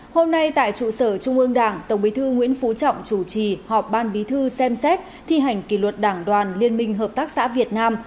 hôm nay tại trụ sở trung ương đảng tổng bí thư nguyễn phú trọng chủ trì họp ban bí thư xem xét thi hành kỷ luật đảng đoàn liên minh hợp tác xã việt nam